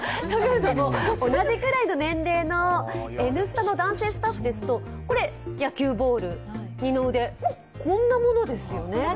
というのも、同じぐらいの年齢の「Ｎスタ」の男性スタッフですと、これ、野球ボール、二の腕こんなものですよね。